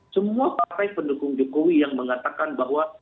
semua partai pendukung jokowi yang mengatakan bahwa